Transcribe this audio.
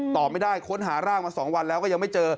ต่อไม่ได้ค้นหาร่างมา๒วันแล้วก็ยังไม่เจอ